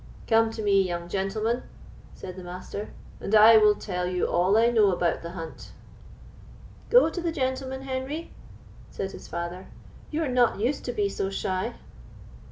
"Come to me, young gentleman," said the Master, "and I will tell you all I know about the hunt." "Go to the gentleman, Henry," said his father; "you are not used to be so shy."